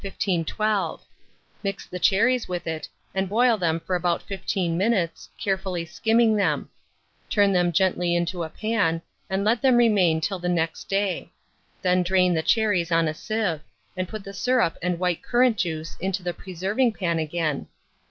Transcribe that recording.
1512; mix the cherries with it, and boil them for about 15 minutes, carefully skimming them; turn them gently into a pan, and let them remain till the next day; then drain the cherries on a sieve, and put the syrup and white currant juice into the preserving pan again.